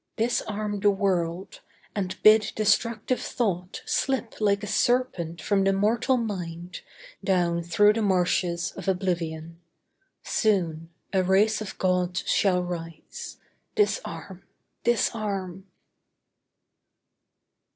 Disarm the world! and bid destructive thought Slip like a serpent from the mortal mind Down through the marshes of oblivion. Soon A race of gods shall rise! Disarm! Disarm!